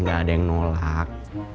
gak ada yang nolak